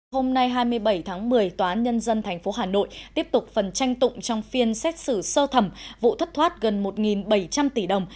hôm nay hai mươi bảy tháng một mươi tòa án nhân dân tp hà nội tiếp tục phần tranh tụng trong phiên xét xử sơ thẩm vụ thất thoát gần một bảy trăm linh tỷ đồng